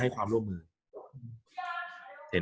กับการสตรีมเมอร์หรือการทำอะไรอย่างเงี้ย